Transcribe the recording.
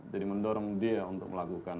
jadi mendorong dia untuk melakukan